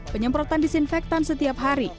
penyemprotan disinfektan setiap hari